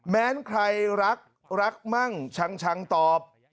แม้ใครรักรักมั่งชังตอบ